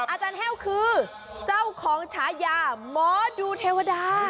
อาจารย์แห้วคือเจ้าของฉายาหมอดูเทวดา